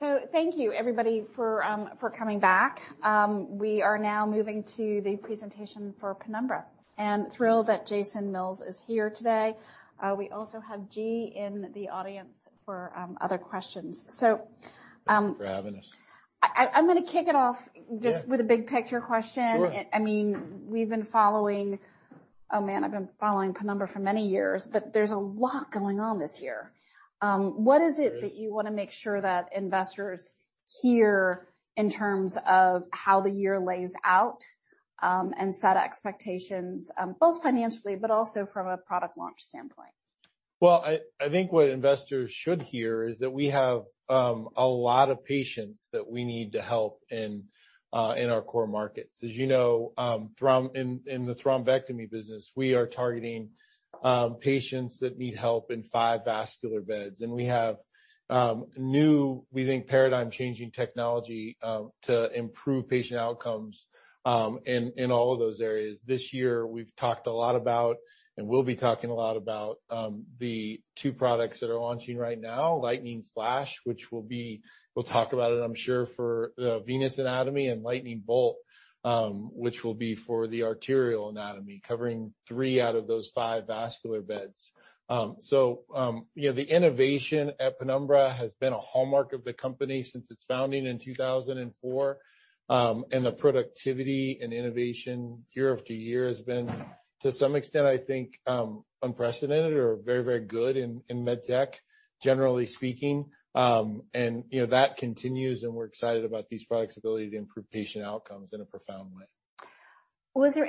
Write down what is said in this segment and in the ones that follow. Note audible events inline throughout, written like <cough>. Thank you everybody for coming back. We are now moving to the presentation for Penumbra and thrilled that Jason Mills is here today. We also have Jee in the audience for other questions. Thank you for having us. I'm gonna kick it off. Yeah. With a big picture question. Sure. <crosstalk> I mean, we've been following. Oh, man, I've been following Penumbra for many years. There's a lot going on this year. What is it that you wanna make sure that investors hear in terms of how the year lays out, and set expectations, both financially but also from a product launch standpoint? Well, I think what investors should hear is that we have a lot of patients that we need to help in our core markets. As you know, in the thrombectomy business, we are targeting patients that need help in five vascular beds. We have new, we think, paradigm-changing technology to improve patient outcomes in all of those areas. This year, we've talked a lot about, and we'll be talking a lot about, the two products that are launching right now, Lightning Flash, which we'll talk about it, I'm sure, for venous anatomy. Lightning Bolt, which will be for the arterial anatomy, covering three out of those five vascular beds. You know, the innovation at Penumbra has been a hallmark of the company since its founding in 2004. The productivity and innovation year after year has been, to some extent, I think, unprecedented or very, very good in med tech, generally speaking. You know, that continues, and we're excited about these products' ability to improve patient outcomes in a profound way. We'll start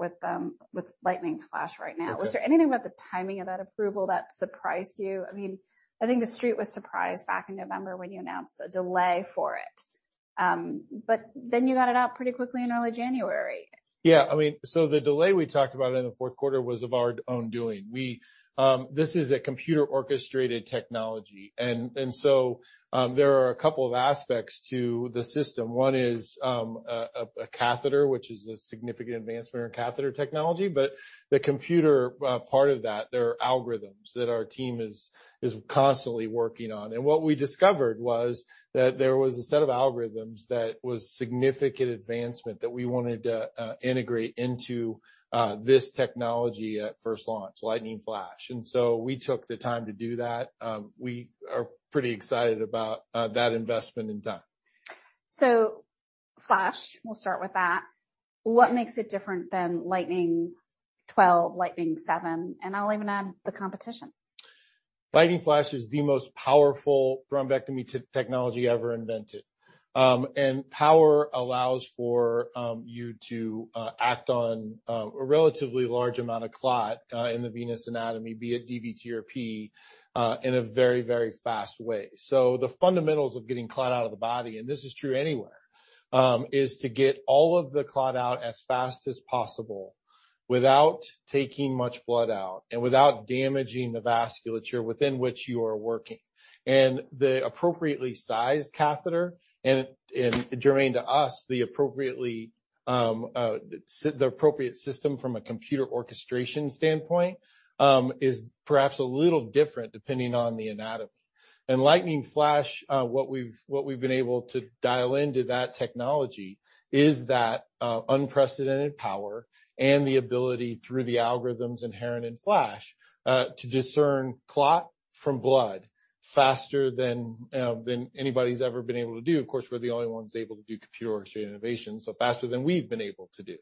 with Lightning Flash right now. Okay. <crosstalk> Was there anything about the timing of that approval that surprised you? I mean, I think The Street was surprised back in November when you announced a delay for it. You got it out pretty quickly in early January. Yeah. I mean, the delay we talked about in the fourth quarter was of our own doing. We, this is a computer-assisted technology. There are a couple of aspects to the system. One is a catheter, which is a significant advancement in catheter technology. The computer part of that, there are algorithms that our team is constantly working on. What we discovered was that there was a set of algorithms that was significant advancement that we wanted to integrate into this technology at first launch, Lightning Flash. We took the time to do that. We are pretty excited about that investment in time. Flash, we'll start with that. What makes it different than Lightning 12, Lightning 7, and I'll even add the competition? Lightning Flash is the most powerful thrombectomy technology ever invented. And power allows for you to act on a relatively large amount of clot in the venous anatomy, be it DVT or P, in a very, very fast way. The fundamentals of getting clot out of the body, and this is true anywhere, is to get all of the clot out as fast as possible without taking much blood out and without damaging the vasculature within which you are working. The appropriately sized catheter and during to us, the appropriately the appropriate system from a computer orchestration standpoint, is perhaps a little different depending on the anatomy. Lightning Flash, what we've been able to dial into that technology is that unprecedented power and the ability through the algorithms inherent in Flash, to discern clot from blood faster than anybody's ever been able to do. Of course, we're the only ones able to do computer orchestrated innovation, so faster than we've been able to do.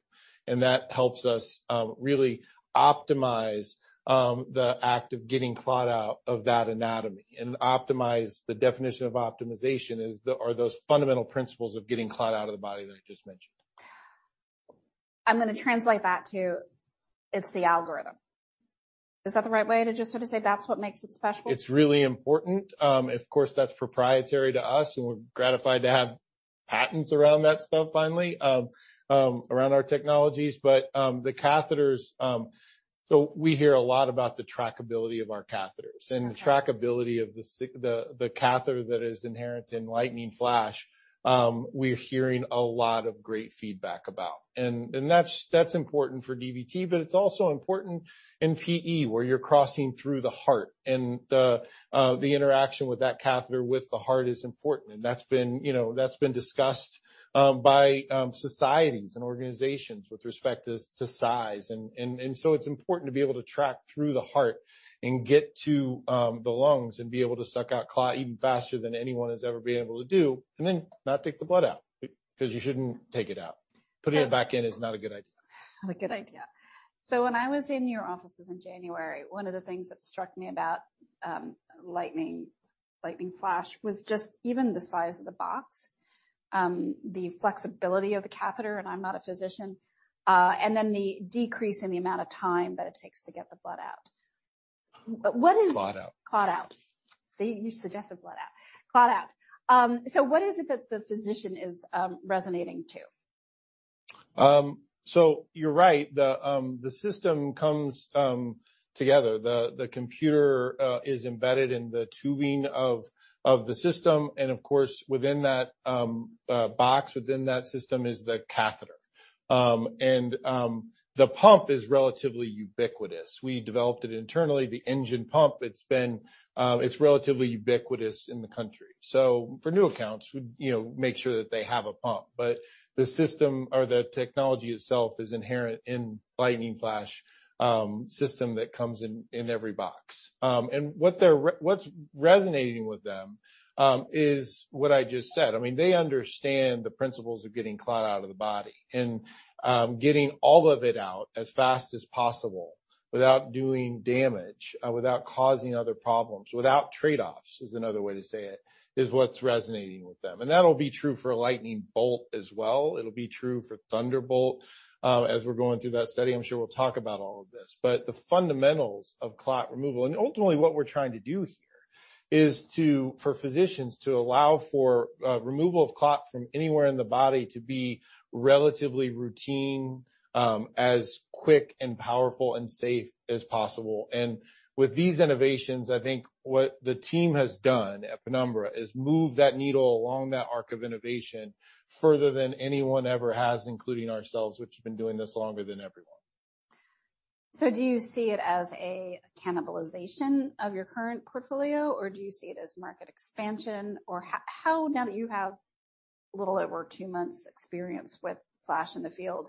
That helps us really optimize the act of getting clot out of that anatomy and optimize the definition of optimization are those fundamental principles of getting clot out of the body that I just mentioned. I'm gonna translate that to it's the algorithm. Is that the right way to just sort of say that's what makes it special? It's really important. Of course, that's proprietary to us, and we're gratified to have patents around that stuff finally, around our technologies. The catheters. We hear a lot about the trackability of our catheters. Uh-huh. <crosstalk> The trackability of the catheter that is inherent in Lightning Flash, we're hearing a lot of great feedback about. That's important for DVT, but it's also important in PE, where you're crossing through the heart and the interaction with that catheter with the heart is important. That's been, you know, that's been discussed by societies and organizations with respect to size. It's important to be able to track through the heart and get to the lungs and be able to suck out clot even faster than anyone has ever been able to do, and then not take the blood out, because you shouldn't take it out. Putting it back in is not a good idea. Not a good idea. When I was in your offices in January, one of the things that struck me about Lightning Flash was just even the size of the box, the flexibility of the catheter, and I'm not a physician, and then the decrease in the amount of time that it takes to get the blood out. what is- Clot out. <crosstalk> Clot out. See, you suggested blood out. Clot out. What is it that the physician is resonating to? You're right. The system comes together. The computer is embedded in the tubing of the system. Of course, within that box, within that system is the catheter. The pump is relatively ubiquitous. We developed it internally, the ENGINE pump, it's been, it's relatively ubiquitous in the country. For new accounts, we, you know, make sure that they have a pump. The system or the technology itself is inherent in Lightning Flow system that comes in every box. What's resonating with them is what I just said. I mean, they understand the principles of getting clot out of the body and getting all of it out as fast as possible without doing damage, without causing other problems, without trade-offs, is another way to say it, is what's resonating with them. That'll be true for a Lightning Bolt as well. It'll be true for Thunderbolt. As we're going through that study, I'm sure we'll talk about all of this. The fundamentals of clot removal, and ultimately what we're trying to do here is for physicians to allow for removal of clot from anywhere in the body to be relatively routine, as quick and powerful and safe as possible. With these innovations, I think what the team has done at Penumbra is move that needle along that arc of innovation further than anyone ever has, including ourselves, which have been doing this longer than everyone. Do you see it as a cannibalization of your current portfolio, or do you see it as market expansion? How now that you have a little over two months experience with Flash in the field,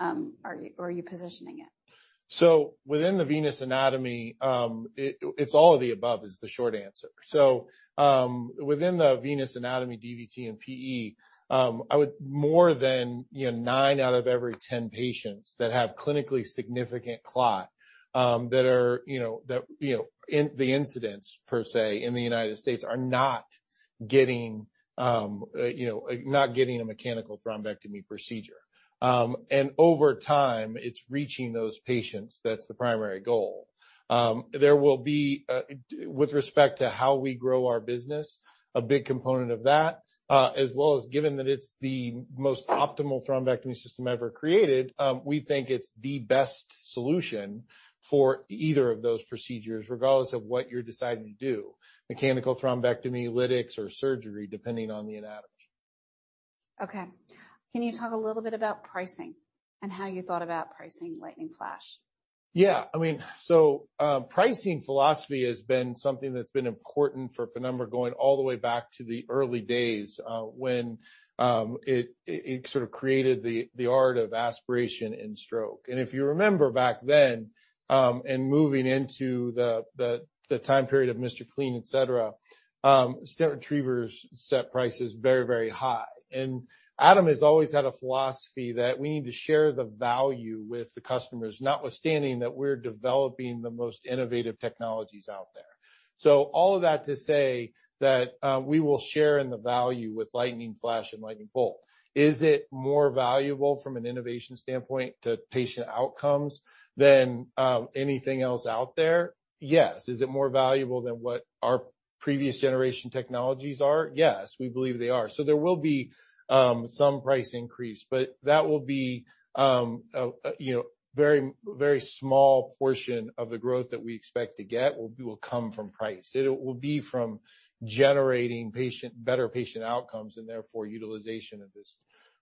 are you positioning it? Within the venous anatomy, it's all of the above is the short answer. Within the venous anatomy, DVT, and PE, I would more than, you know, 9 out of every 10 patients that have clinically significant clot, that are, you know, that, you know, in the incidents per se in the United States are not getting, you know, not getting a mechanical thrombectomy procedure. Over time, it's reaching those patients. That's the primary goal. There will be, with respect to how we grow our business, a big component of that, as well as given that it's the most optimal thrombectomy system ever created, we think it's the best solution for either of those procedures, regardless of what you're deciding to do, mechanical thrombectomy, lytics or surgery, depending on the anatomy. Okay. Can you talk a little bit about pricing and how you thought about pricing Lightning Flash? I mean so, pricing philosophy has been something that's been important for Penumbra going all the way back to the early days, when it sort of created the art of aspiration in stroke. If you remember back then, and moving into the time period of MR CLEAN, et cetera, stent retrievers set prices very high. Adam has always had a philosophy that we need to share the value with the customers, notwithstanding that we're developing the most innovative technologies out there. All of that to say that we will share in the value with Lightning Flash and Lightning Bolt. Is it more valuable from an innovation standpoint to patient outcomes than anything else out there? Yes. Is it more valuable than what our previous generation technologies are? Yes, we believe they are. There will be some price increase, but that will be, you know, very, very small portion of the growth that we expect to get will come from price. It will be from generating better patient outcomes and therefore utilization of this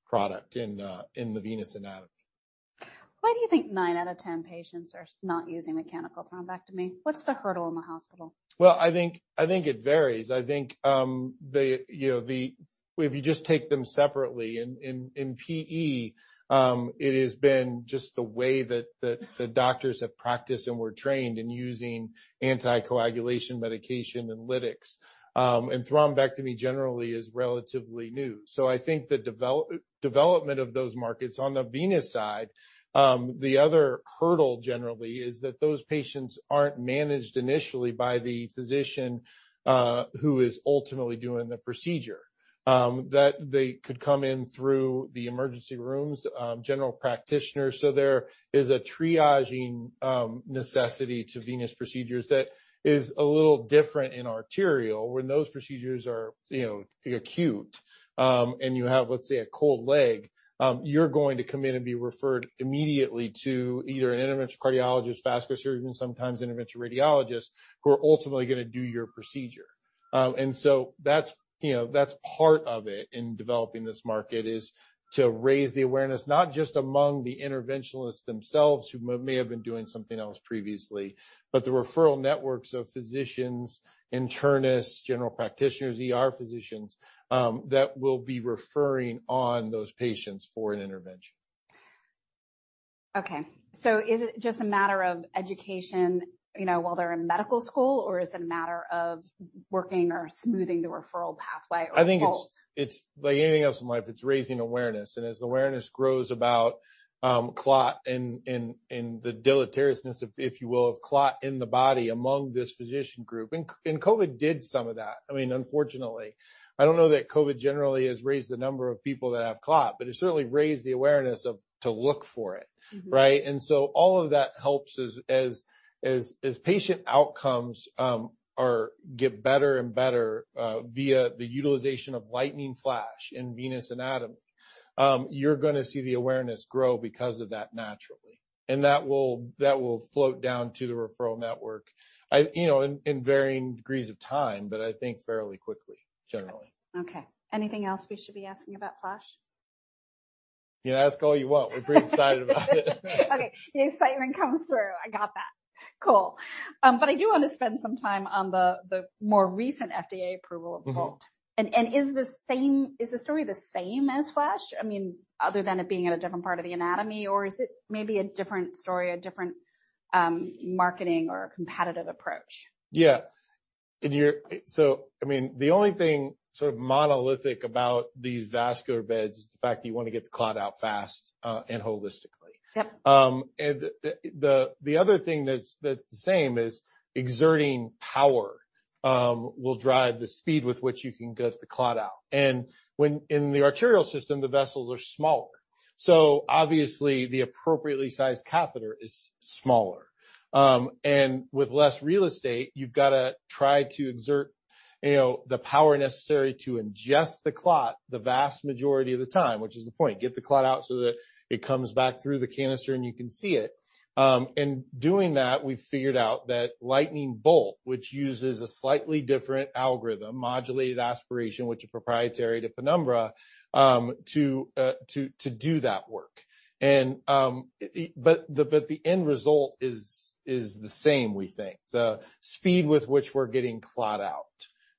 product in the venous anatomy. Why do you think nine out of 10 patients are not using mechanical thrombectomy? What's the hurdle in the hospital? Well, I think, I think it varies. I think, if you just take them separately in PE, it has been just the way that the doctors have practiced and were trained in using anticoagulation medication and lytics. Thrombectomy generally is relatively new. I think the development of those markets on the venous side, the other hurdle generally is that those patients aren't managed initially by the physician, who is ultimately doing the procedure. That they could come in through the emergency rooms, general practitioners. There is a triaging necessity to venous procedures that is a little different in arterial when those procedures are, you know, acute. And you have, let's say, a cold leg, you're going to come in and be referred immediately to either an interventional cardiologist, vascular surgeon, sometimes interventional radiologists who are ultimately going to do your procedure. That's, you know, that's part of it in developing this market, is to raise the awareness, not just among the interventionalists themselves who may have been doing something else previously, but the referral networks of physicians, internists, general practitioners, ER physicians, that will be referring on those patients for an intervention. Is it just a matter of education, you know, while they're in medical school, or is it a matter of working or smoothing the referral pathway or both? I think <crosstalk> it's like anything else in life, it's raising awareness. As awareness grows about clot and the deleteriousness, if you will, of clot in the body among this physician group. COVID did some of that. I mean, unfortunately. I don't know that COVID generally has raised the number of people that have clot, but it certainly raised the awareness to look for it, right? Mm-hmm. All of that helps as patient outcomes get better and better, via the utilization of Lightning Flash in venous anatomy. You're gonna see the awareness grow because of that naturally. That will float down to the referral network, I you know, in varying degrees of time, but I think fairly quickly, generally. Okay. Anything else we should be asking about Flash? You can ask all you want. We're pretty excited about it. Okay. The excitement comes through. I got that. Cool. I do want to spend some time on the more recent FDA approval of BOLT. Mm-hmm. Is the story the same as Flash? I mean, other than it being in a different part of the anatomy, or is it maybe a different story, a different, marketing or competitive approach? Yeah. I mean, the only thing sort of monolithic about these vascular beds is the fact that you want to get the clot out fast and holistically. Yep. The other thing that's the same is exerting power will drive the speed with which you can get the clot out. When in the arterial system, the vessels are smaller, so obviously the appropriately sized catheter is smaller. With less real estate, you've got to try to exert, you know, the power necessary to ingest the clot the vast majority of the time, which is the point, get the clot out so that it comes back through the canister and you can see it. In doing that, we've figured out that Lightning Bolt, which uses a slightly different algorithm, modulated aspiration, which is proprietary to Penumbra, to do that work. The end result is the same we think. The speed with which we're getting clot out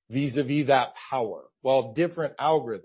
vis-à-vis that power, while different algorithms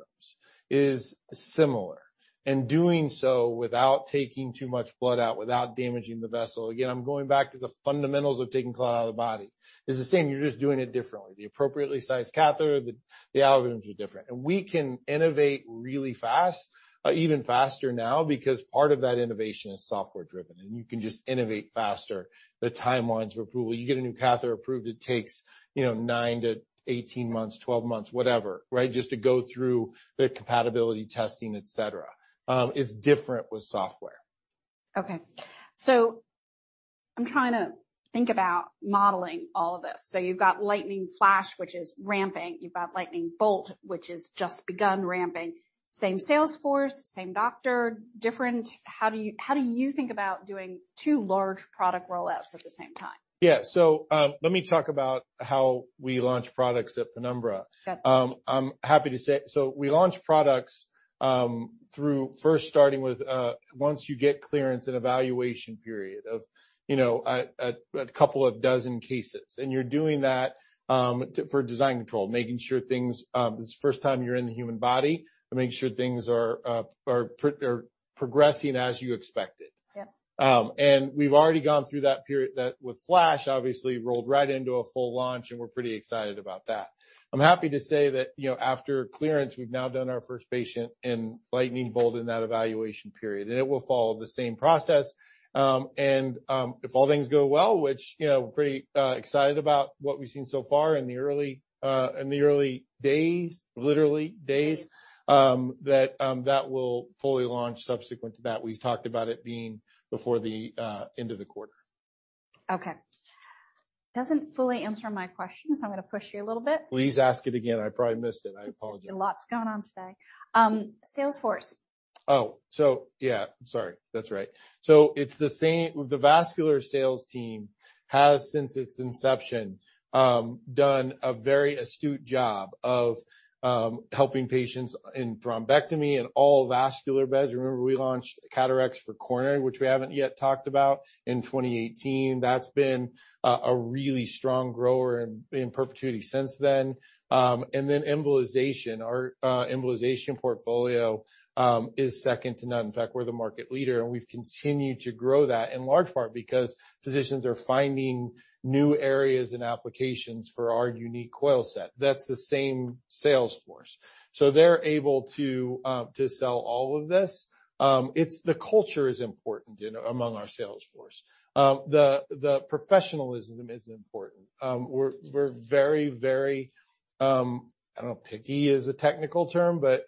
is similar, and doing so without taking too much blood out, without damaging the vessel. Again, I'm going back to the fundamentals of taking clot out of the body. It's the same, you're just doing it differently. The appropriately sized catheter, the algorithms are different. We can innovate really fast, even faster now because part of that innovation is software driven, and you can just innovate faster. The timelines for approval, you get a new catheter approved, it takes, you know, 9-18 months, 12 months, whatever, right? Just to go through the compatibility testing, et cetera. It's different with software. Okay. I'm trying to think about modeling all of this. You've got Lightning Flash, which is ramping. You've got Lightning Bolt, which has just begun ramping. Same sales force, same doctor, different. How do you think about doing two large product rollouts at the same time? Yeah. Let me talk about how we launch products at Penumbra. Sure. I'm happy to say. We launch products, through first starting with, once you get clearance and evaluation period of, you know, a couple of dozen cases, and you're doing that for design control, making sure things, this is the first time you're in the human body. To make sure things are progressing as you expected. Yep. We've already gone through that period that with Flash obviously rolled right into a full launch, and we're pretty excited about that. I'm happy to say that, you know, after clearance, we've now done our first patient in Lightning Bolt in that evaluation period, and it will follow the same process. If all things go well, which, you know, we're pretty excited about what we've seen so far in the early in the early days, literally days that will fully launch subsequent to that. We've talked about it being before the end of the quarter. Okay. Doesn't fully answer my question, so I'm gonna push you a little bit. Please ask it again. I probably missed it. I apologize. A lot's going on today. sales force. Oh. Yeah, sorry. That's right. It's the same. The vascular sales team has since its inception done a very astute job of helping patients in thrombectomy and all vascular beds. Remember, we launched CAT RX for coronary, which we haven't yet talked about in 2018. That's been a really strong grower in perpetuity since then. Embolization. Our embolization portfolio is second to none. In fact, we're the market leader, and we've continued to grow that in large part because physicians are finding new areas and applications for our unique coil set. That's the same sales force. They're able to sell all of this. It's the culture is important among our sales force. The professionalism is important. We're very, very, I don't know, picky is a technical term, but,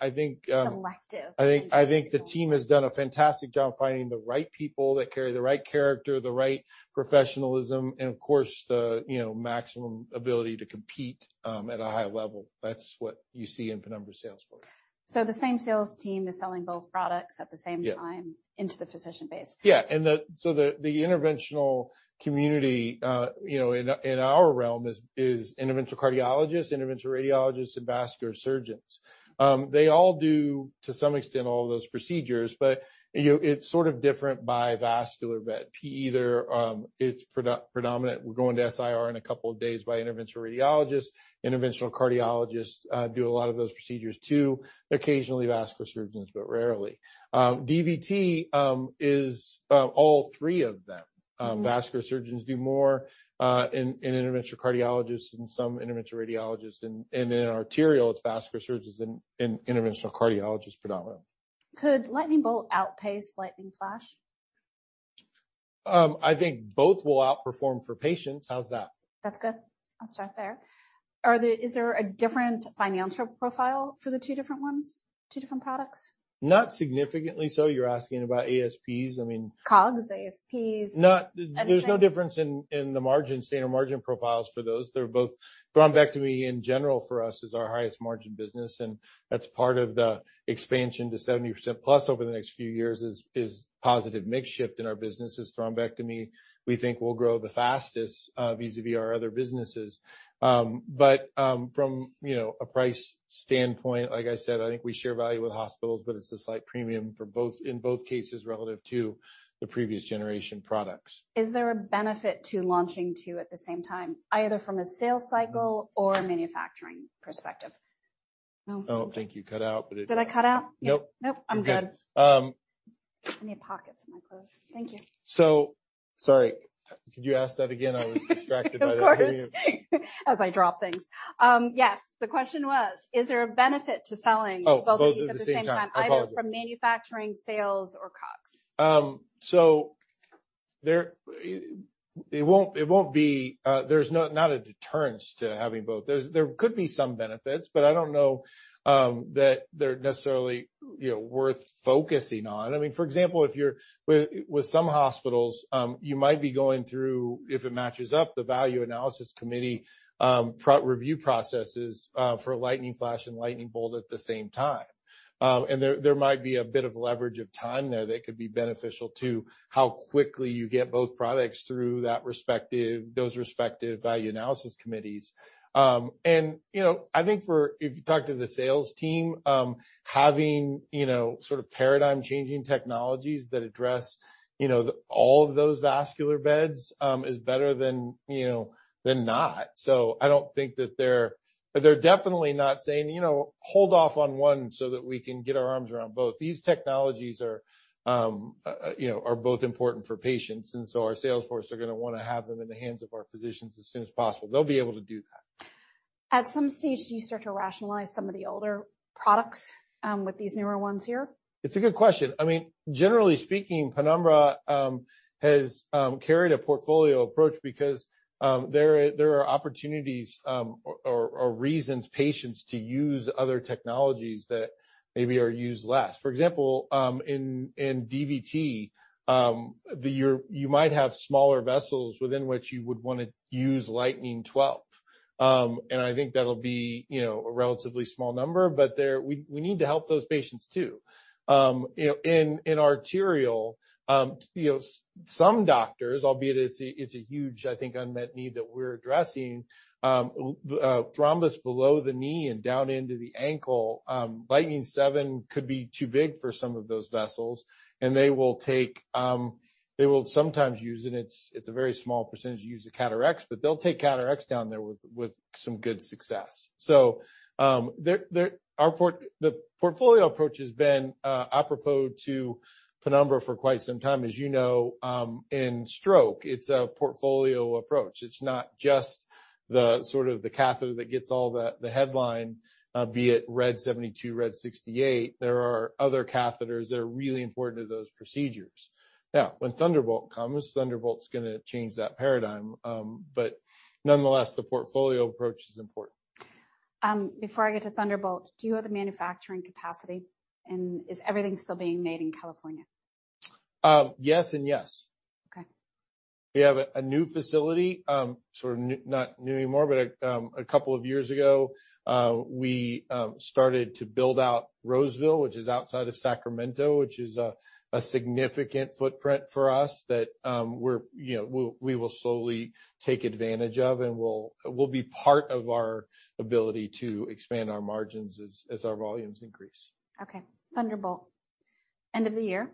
I think. Selective <crosstalk> I think the team has done a fantastic job finding the right people that carry the right character, the right professionalism, and of course the, you know, maximum ability to compete at a high level. That's what you see in Penumbra sales force. The same sales team is selling both produ cts at the same time. Yeah <crosstalk> into the physician base. Yeah. The interventional community, you know, in our realm is interventional cardiologists, interventional radiologists, and vascular surgeons. They all do to some extent, all of those procedures, you know, it's sort of different by vascular bed. PE either, it's predominant. We're going to SIR in a couple of days by interventional radiologists. Interventional cardiologists do a lot of those procedures too. Occasionally vascular surgeons, rarely. DVT is all three of them. Vascular surgeons do more, and interventional cardiologists and some interventional radiologists and in arterial, it's vascular surgeons and interventional cardiologists predominantly. Could Lightning Bolt outpace Lightning Flash? I think both will outperform for patients. How's that? That's good. I'll start there. Is there a different financial profile for the two different products? Not significantly so. You're asking about ASPs. I mean COGS, ASPs. Not- Anything. There's no difference in the margin, standard margin profiles for those. They're both Thrombectomy in general for us is our highest margin business, and that's part of the expansion to 70%+ over the next few years is positive mix shift in our business as thrombectomy, we think will grow the fastest, vis-à-vis our other businesses. From, you know, a price standpoint, like I said, I think we share value with hospitals, but it's a slight premium for both in both cases relative to the previous generation products. Is there a benefit to launching two at the same time, either from a sales cycle or a manufacturing perspective? Oh, I think you cut out, but it- Did I cut out? <crosstalk> Nope. Nope, I'm good. You're good. I need pockets in my clothes. Thank you. Sorry. Could you ask that again? I was distracted by that period. Of course. As I drop things. Yes. The question was, is there a benefit to selling- Oh, both at the same time. <crosstalk> Both of these at the same time, either <crosstalk> from manufacturing, sales or COGS? It won't be there's no, not a deterrence to having both. There could be some benefits, I don't know that they're necessarily, you know, worth focusing on. I mean, for example, if you're with some hospitals, you might be going through, if it matches up, the value analysis committee review processes for a Lightning Flash and Lightning Bolt at the same time. There might be a bit of leverage of time there that could be beneficial to how quickly you get both products through those respective value analysis committees. You know, I think for if you talk to the sales team, having, you know, sort of paradigm changing technologies that address, you know, all of those vascular beds, is better than, you know, than not. I don't think that They're definitely not saying, you know, hold off on one so that we can get our arms around both. These technologies are, you know, are both important for patients. Our sales force are gonna wanna have them in the hands of our physicians as soon as possible. They'll be able to do that. At some stage, do you start to rationalize some of the older products, with these newer ones here? It's a good question. I mean, generally speaking, Penumbra, has carried a portfolio approach because there are opportunities, or reasons patients to use other technologies that maybe are used less. For example, in DVT, you might have smaller vessels within which you would wanna use Lightning 12. I think that'll be, you know, a relatively small number. We need to help those patients too. You know, in arterial, you know, some doctors, albeit it's a huge, I think, unmet need that we're addressing, thrombus below the knee and down into the ankle, Lightning 7 could be too big for some of those vessels. They will take, they will sometimes use, and it's a very small percentage use of CAT RX. They'll take CAT RX down there with some good success. The portfolio approach has been apropos to Penumbra for quite some time. As you know, in stroke, it's a portfolio approach. It's not just the sort of the catheter that gets all the headline, be it RED 72, RED 68. There are other catheters that are really important to those procedures. Now, when Thunderbolt comes, Thunderbolt's gonna change that paradigm. Nonetheless, the portfolio approach is important. Before I get to Thunderbolt, do you have the manufacturing capacity, and is everything still being made in California? Yes and yes. Okay. We have a new facility, sort of new, not new anymore, but a couple of years ago, we started to build out Roseville, which is outside of Sacramento, which is a significant footprint for us that, we're, you know, we will slowly take advantage of and will be part of our ability to expand our margins as our volumes increase. Okay. Thunderbolt, end of the year?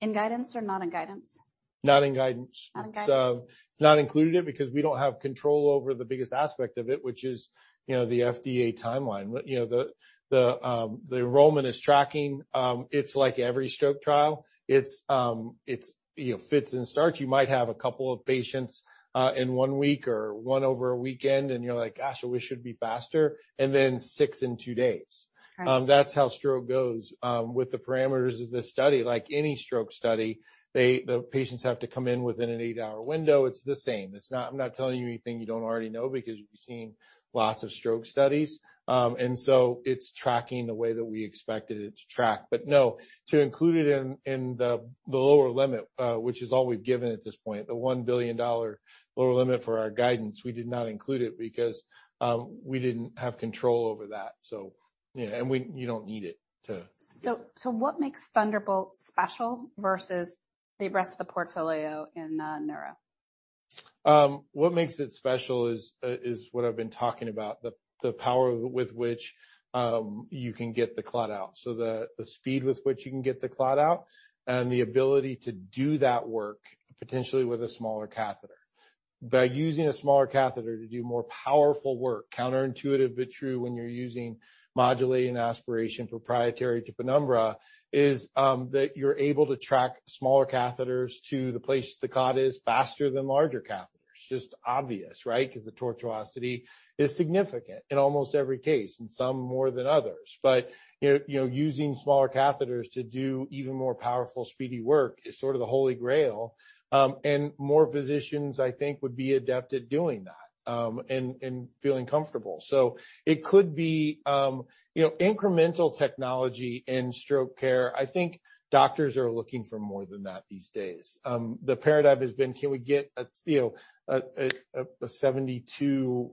In guidance or not in guidance? Not in guidance. Not in guidance. It's not included because we don't have control over the biggest aspect of it, which is, you know, the FDA timeline. You know, the enrollment is tracking. It's like every stroke trial. It's, you know, fits and starts. You might have a couple of patients in one week or one over a weekend, and you're like, "Gosh, we should be faster." Then 6 in 2 days. Okay. That's how stroke goes. With the parameters of this study, like any stroke study, the patients have to come in within an eight-hour window. It's the same. I'm not telling you anything you don't already know because you've seen lots of stroke studies. It's tracking the way that we expected it to track. No, to include it in the lower limit, which is all we've given at this point, the $1 billion lower limit for our guidance, we did not include it because we didn't have control over that. Yeah. You don't need it to- What makes Thunderbolt special versus the rest of the portfolio in neuro? What makes it special is what I've been talking about, the power with which you can get the clot out. The speed with which you can get the clot out and the ability to do that work potentially with a smaller catheter. By using a smaller catheter to do more powerful work, counterintuitive but true, when you're using modulated aspiration proprietary to Penumbra, is that you're able to track smaller catheters to the place the clot is faster than larger catheters. Just obvious, right? 'Cause the tortuosity is significant in almost every case, and some more than others. You know, using smaller catheters to do even more powerful, speedy work is sort of the holy grail. More physicians, I think, would be adept at doing that, and feeling comfortable. It could be, you know, incremental technology in stroke care. I think doctors are looking for more than that these days. The paradigm has been, can we get a, you know, a 72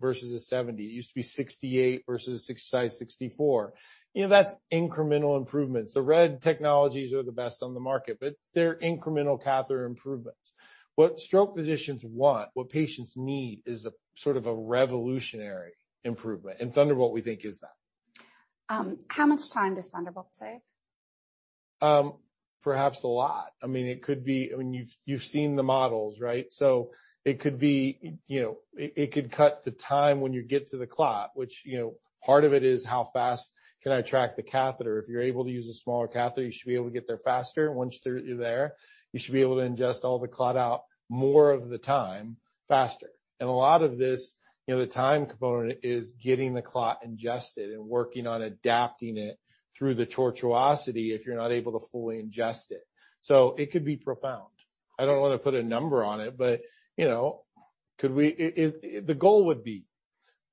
versus a 70? It used to be 68 versus a size 64. You know, that's incremental improvements. The RED technologies are the best on the market, but they're incremental catheter improvements. What stroke physicians want, what patients need is a sort of a revolutionary improvement. Thunderbolt, we think, is that. How much time does Thunderbolt save? Perhaps a lot. I mean, it could be. I mean, you've seen the models, right? It could be, you know, it could cut the time when you get to the clot, which, you know, part of it is how fast can I track the catheter? If you're able to use a smaller catheter, you should be able to get there faster. Once you're there, you should be able to ingest all the clot out more of the time faster. A lot of this, you know, the time component is getting the clot ingested and working on adapting it through the tortuosity if you're not able to fully ingest it. It could be profound. I don't want to put a number on it, but, you know, the goal would be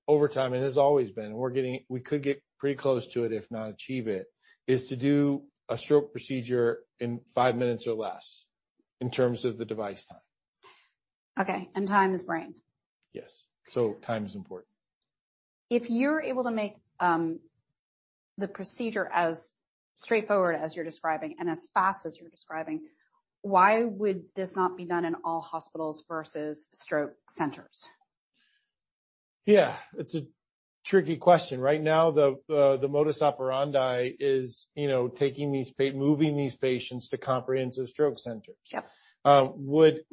over time, and has always been, and we could get pretty close to it, if not achieve it, is to do a stroke procedure in five minutes or less in terms of the device time. Okay. Time is brain. Yes. Time is important. If you're able to make the procedure as straightforward as you're describing and as fast as you're describing, why would this not be done in all hospitals versus stroke centers? It's a tricky question. Right now, the modus operandi is, you know, moving these patients to comprehensive stroke centers. Yep.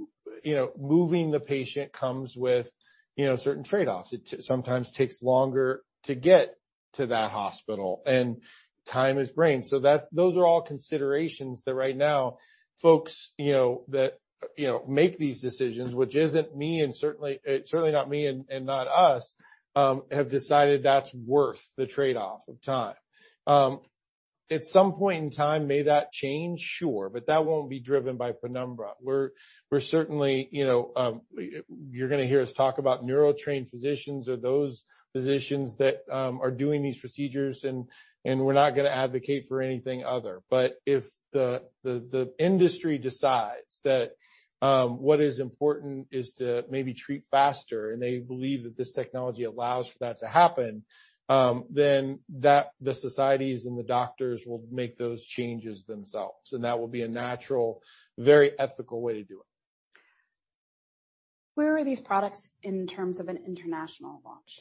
You know, moving the patient comes with, you know, certain trade-offs. It sometimes takes longer to get to that hospital, and time is brain. Those are all considerations that right now folks, you know, that, you know, make these decisions, which isn't me, and certainly not me and not us, have decided that's worth the trade-off of time. At some point in time, may that change? Sure, that won't be driven by Penumbra. We're certainly, you know, you're gonna hear us talk about neuro trained physicians or those physicians that are doing these procedures and we're not gonna advocate for anything other. If the industry decides that, what is important is to maybe treat faster, and they believe that this technology allows for that to happen, then the societies and the doctors will make those changes themselves, and that will be a natural, very ethical way to do it. Where are these products in terms of an international launch?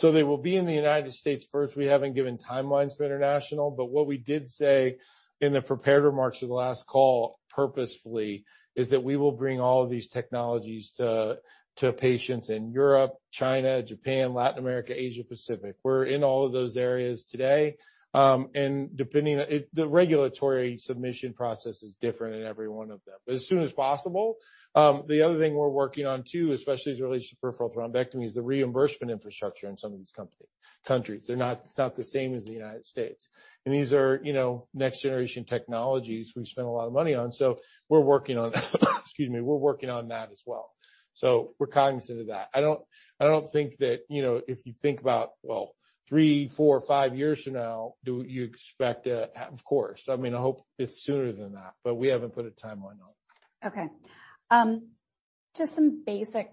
They will be in the United States first. We haven't given timelines for international, but what we did say in the prepared remarks for the last call purposefully is that we will bring all of these technologies to patients in Europe, China, Japan, Latin America, Asia Pacific. We're in all of those areas today. The regulatory submission process is different in every one of them. As soon as possible. The other thing we're working on too, especially as it relates to peripheral thrombectomy, is the reimbursement infrastructure in some of these countries. It's not the same as the United States. These are, you know, next generation technologies we've spent a lot of money on. Excuse me. We're working on that as well. We're cognizant of that. I don't think that, you know, if you think about, well, three, four, five years from now, do you expect? Of course. I mean, I hope it's sooner than that, but we haven't put a timeline on it. Okay. Just some basic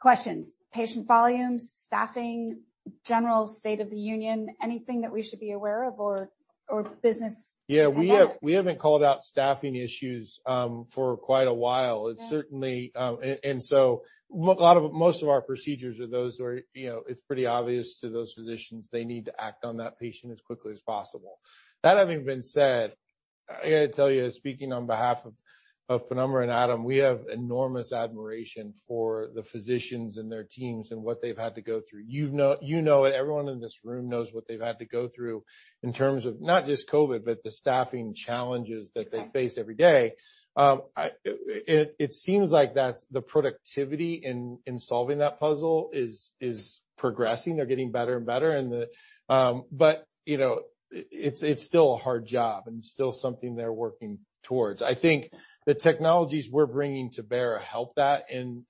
questions. Patient volumes, staffing, general state of the union, anything that we should be aware of or business impact? Yeah. We haven't called out staffing issues for quite a while. Yeah. It's certainly. Most of our procedures are those where, you know, it's pretty obvious to those physicians they need to act on that patient as quickly as possible. That having been said, I got to tell you, speaking on behalf of Penumbra and Adam, we have enormous admiration for the physicians and their teams and what they've had to go through. You know it, everyone in this room knows what they've had to go through in terms of not just COVID, but the staffing challenges- Right. that they face every day. It seems like that's the productivity in solving that puzzle is progressing. They're getting better and better. You know, it's still a hard job and still something they're working towards. I think the technologies we're bringing to bear help that in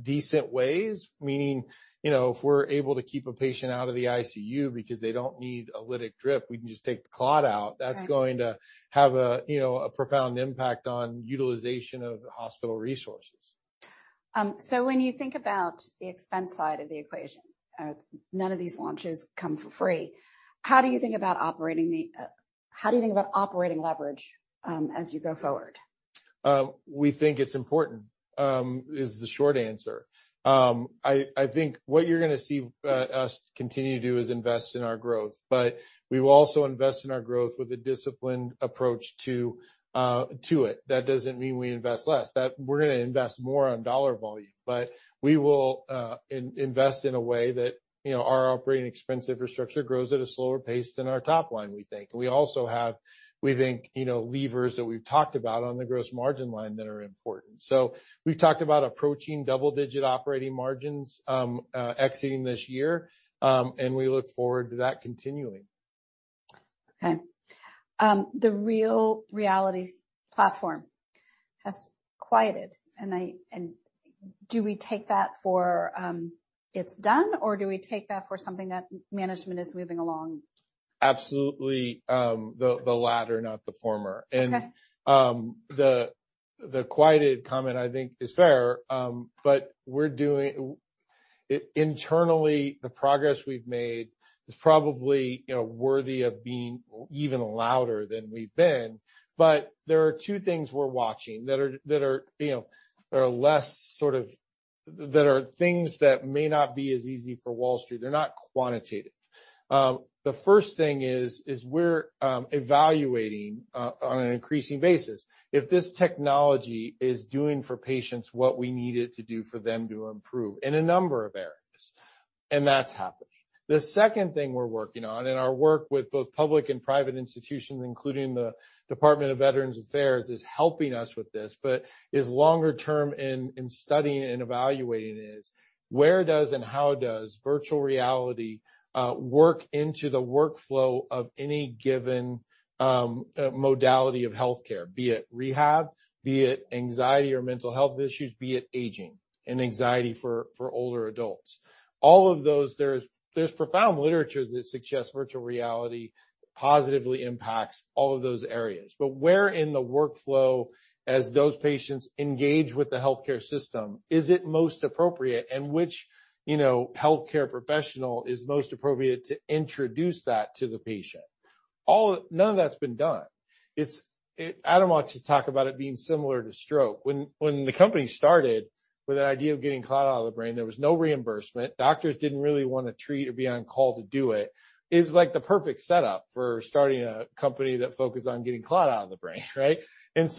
decent ways. Meaning, you know, if we're able to keep a patient out of the ICU because they don't need a lytic drip, we can just take the clot out. Right. -that's going to have a, you know, a profound impact on utilization of hospital resources. When you think about the expense side of the equation, none of these launches come for free. How do you think about operating leverage as you go forward? We think it's important is the short answer. I think what you're gonna see us continue to do is invest in our growth, we will also invest in our growth with a disciplined approach to it. That doesn't mean we invest less. We're gonna invest more on dollar volume. We will invest in a way that, you know, our operating expense infrastructure grows at a slower pace than our top line, we think. We also have, we think, you know, levers that we've talked about on the gross margin line that are important. We've talked about approaching double-digit operating margins exiting this year. We look forward to that continuing. Okay. The REAL reality platform has quieted, and do we take that for it's done, or do we take that for something that management is moving along? Absolutely, the latter, not the former. Okay. <crosstalk> The quieted comment I think is fair. Internally, the progress we've made is probably, you know, worthy of being even louder than we've been. There are two things we're watching that are, you know, are less That are things that may not be as easy for Wall Street. They're not quantitative. The first thing is we're evaluating on an increasing basis if this technology is doing for patients what we need it to do for them to improve in a number of areas. That's happened. The second thing we're working on, and our work with both public and private institutions, including the Department of Veterans Affairs, is helping us with this but is longer-term in studying and evaluating is where does and how does virtual reality work into the workflow of any given modality of healthcare, be it rehab, be it anxiety or mental health issues, be it aging and anxiety for older adults. All of those there's profound literature that suggests virtual reality positively impacts all of those areas. Where in the workflow as those patients engage with the healthcare system is it most appropriate and which, you know, healthcare professional is most appropriate to introduce that to the patient? None of that's been done. Adam likes to talk about it being similar to stroke. When the company started with an idea of getting clot out of the brain, there was no reimbursement. Doctors didn't really wanna treat or be on call to do it. It was like the perfect setup for starting a company that focused on getting clot out of the brain, right? It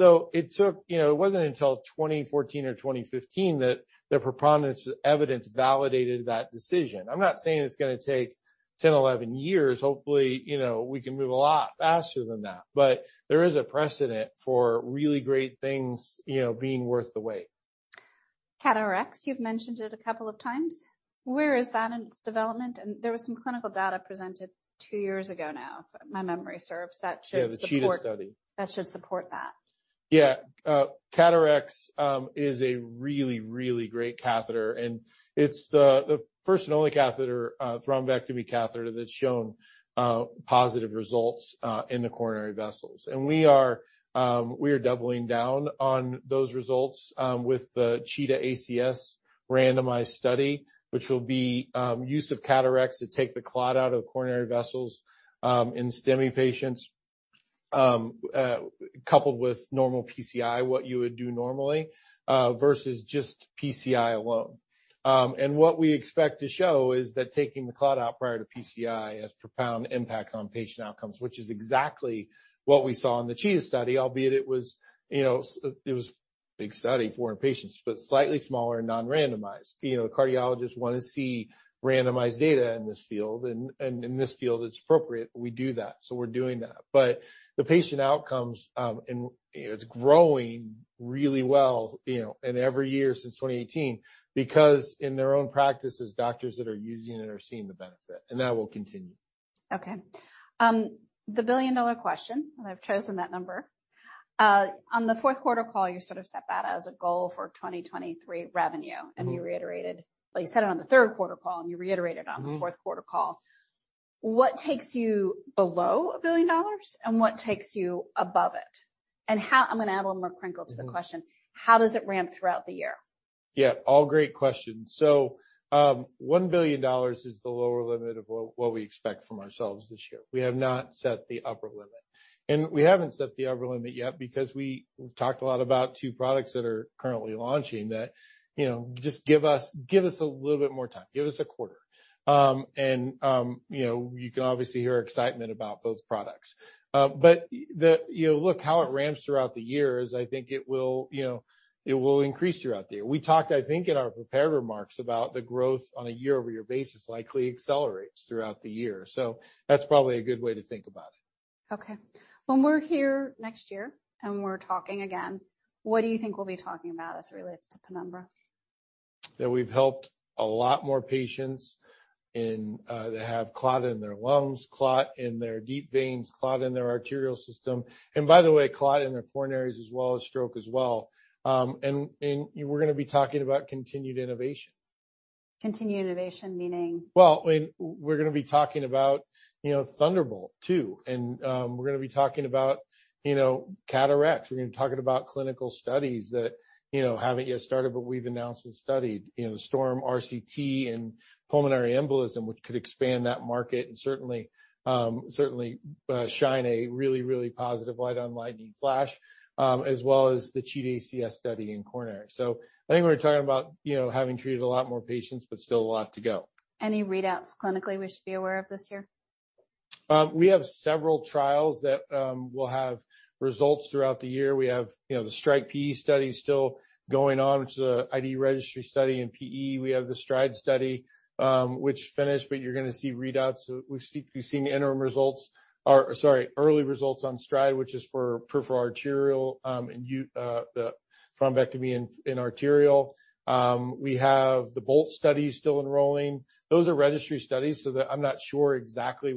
took, you know, it wasn't until 2014 or 2015 that the preponderance of evidence validated that decision. I'm not saying it's gonna take 10, 11 years. Hopefully, you know, we can move a lot faster than that. There is a precedent for really great things, you know, being worth the wait. CAT RX, you've mentioned it a couple of times. Where is that in its development? There was some clinical data presented two years ago now, if my memory serves, that should support- Yeah. The CHEETAH study. <crosstalk> That should support that. Yeah. CAT RX is a really, really great catheter, and it's the first and only catheter, thrombectomy catheter that's shown positive results in the coronary vessels. We are doubling down on those results with the CHEETAH-ACS randomized study, which will be use of CAT RX to take the clot out of coronary vessels in STEMI patients coupled with normal PCI, what you would do normally, versus just PCI alone. What we expect to show is that taking the clot out prior to PCI has profound impacts on patient outcomes, which is exactly what we saw in the CHEETAH study, albeit it was, you know, it was big study, foreign patients, but slightly smaller and non-randomized. You know, cardiologists wanna see randomized data in this field and in this field, it's appropriate. We do that, so we're doing that. The patient outcomes, and it's growing really well, you know, in every year since 2018 because in their own practices, doctors that are using it are seeing the benefit, and that will continue. Okay. The billion-dollar question, and I've chosen that number. On the fourth quarter call you sort of set that as a goal for 2023 revenue. Mm-hmm. Well, you said it on the third quarter call. Mm-hmm. on the fourth quarter call. What takes you below $1 billion, and what takes you above it? I'm gonna add a little more crinkle. Mm-hmm. to the question. How does it ramp throughout the year? Yeah, all great questions. $1 billion is the lower limit of what we expect from ourselves this year. We have not set the upper limit. We haven't set the upper limit yet because we've talked a lot about two products that are currently launching that, you know, just give us a little bit more time, give us a quarter. You know, you can obviously hear excitement about those products. You know, look, how it ramps throughout the year is I think it will, you know, it will increase throughout the year. We talked, I think, in our prepared remarks about the growth on a year-over-year basis likely accelerates throughout the year. That's probably a good way to think about it. Okay. When we're here next year, and we're talking again, what do you think we'll be talking about as it relates to Penumbra? That we've helped a lot more patients and that have clot in their lungs, clot in their deep veins, clot in their arterial system, and by the way, clot in their coronaries as well as stroke as well. We're gonna be talking about continued innovation. Continued innovation meaning? Well, I mean, we're gonna be talking about, you know, Thunderbolt 2, and we're gonna be talking about, you know, CAT RX. We're gonna be talking about clinical studies that, you know, haven't yet started, but we've announced and studied. You know, STORM-PE and pulmonary embolism, which could expand that market and certainly, shine a really, really positive light on Lightning Flow, as well as the CHEETAH-ACS study in coronary. I think we're gonna talking about, you know, having treated a lot more patients but still a lot to go. Any readouts clinically we should be aware of this year? We have several trials that will have results throughout the year. We have, you know, the STRIKE PE study still going on, which is a real-world registry study in PE. We have the STRIDE study, which finished, but you're gonna see readouts. We've seen the interim results or, sorry, early results on STRIDE, which is for peripheral arterial, and the thrombectomy in arterial. We have the BOLT study still enrolling. Those are registry studies. I'm not sure exactly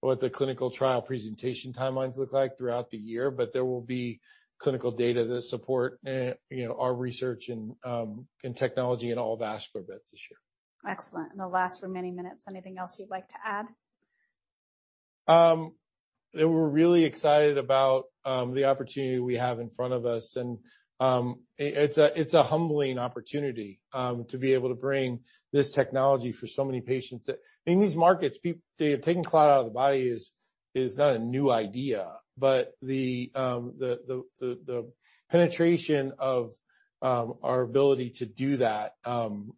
what the clinical trial presentation timelines look like throughout the year, but there will be clinical data that support, you know, our research and technology in all vascular beds this year. Excellent. The last remaining minutes, anything else you'd like to add? That we're really excited about, the opportunity we have in front of us, and it's a humbling opportunity to be able to bring this technology for so many patients. In these markets, taking clot out of the body is not a new idea, but the penetration of our ability to do that, you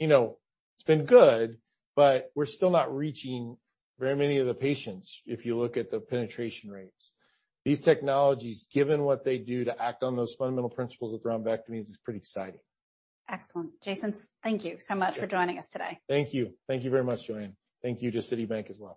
know, it's been good, but we're still not reaching very many of the patients if you look at the penetration rates. These technologies, given what they do to act on those fundamental principles of thrombectomies is pretty exciting. Excellent. Jason, thank you so much for joining us today. Thank you. Thank you very much, Joanne. Thank you to Citi as well.